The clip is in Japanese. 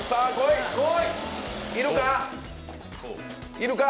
いるか？！